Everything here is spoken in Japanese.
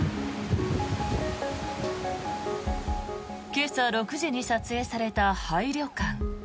今朝６時に撮影された廃旅館。